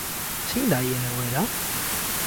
Zein da haien egoera?